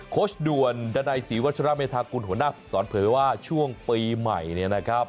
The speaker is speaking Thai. ชด่วนดันัยศรีวัชราเมธากุลหัวหน้าภูมิสอนเผยว่าช่วงปีใหม่เนี่ยนะครับ